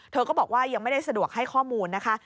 เธอก็บอกว่ายังไม่ได้สะดวกให้ข้อมูลนะคะ